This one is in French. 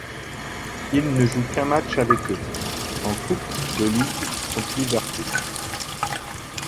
Il ne joue qu'un match avec eux, en Coupe de Ligue contre Liverpool.